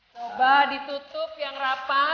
coba ditutup yang rapat